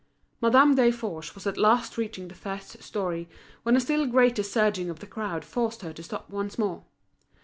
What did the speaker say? Madame Desforges was at last reaching the first storey, when a still greater surging of the crowd forced her to stop once more.